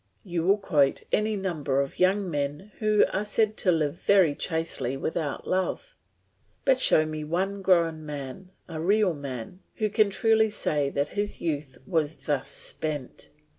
You will quote any number of young men who are said to live very chastely without love; but show me one grown man, a real man, who can truly say that his youth was thus spent?